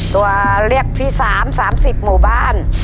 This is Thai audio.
ตัวเลือกที่๓๓๐หมู่บ้าน